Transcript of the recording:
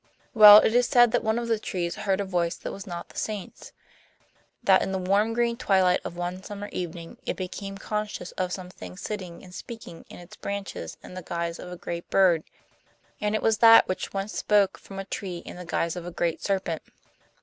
Well, it is said that one of the trees heard a voice that was not the saint's; that in the warm green twilight of one summer evening it became conscious of some thing sitting and speaking in its branches in the guise of a great bird, and it was that which once spoke from a tree in the guise of a great serpent.